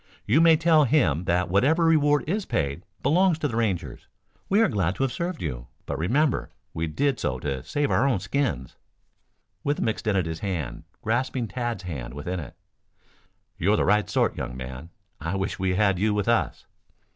"You may tell him that whatever reward is paid, belongs to the Rangers. We are glad to have served you, but remember, we did so to save our own skins." Withem extended his hand, grasping Tad's hand within it. "You're the right sort, young man. I wish we had you with us."